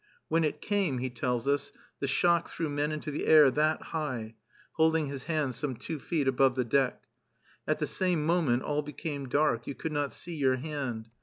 "When it came," he tells us, "the shock threw men into the air that high" (holding his hand some two feet above the deck). "At the same moment all became dark; you could not see your hand.